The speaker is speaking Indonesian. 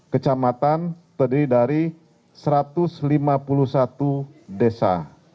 kecamatan terdiri dari satu ratus lima puluh satu desa